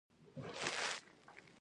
سړي بت مات کړ او طلا ترې راووته.